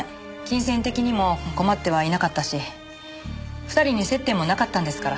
金銭的にも困ってはいなかったし２人に接点もなかったんですから。